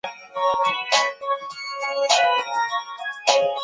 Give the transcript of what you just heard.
密毛岩蕨为岩蕨科岩蕨属下的一个种。